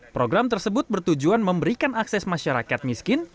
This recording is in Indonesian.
program tersebut bertujuan memberikan akses masyarakat miskin